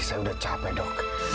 saya udah capek dok